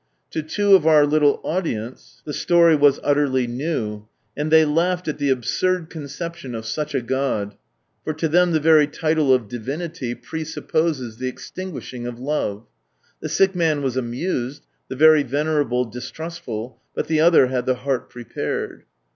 To two of our little audience the storj was utterly new, and they laughed at the absurd conception of such a God, for to them the very litie of divinity presupposes the extinguishing of Love. The sick man was amused, the very venerable, distrustful, but the other had the " heart prepared."